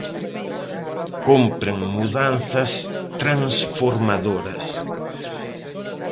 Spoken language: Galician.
Cómpren mudanzas transformadoras.